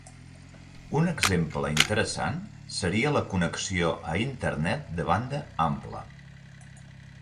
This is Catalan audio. Un exemple interessant seria la connexió a internet de banda ampla.